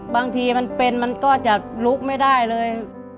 บางทีมันเป็นมันก็จะลุกไม่ได้เลย